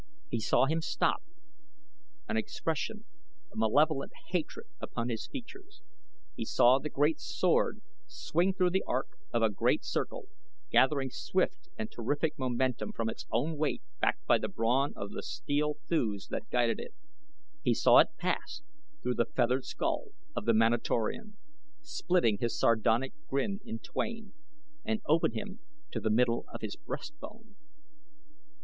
He saw him stop, an expression of malevolent hatred upon his features. He saw the great sword swing through the arc of a great circle, gathering swift and terrific momentum from its own weight backed by the brawn of the steel thews that guided it; he saw it pass through the feathered skull of the Manatorian, splitting his sardonic grin in twain, and open him to the middle of his breast bone.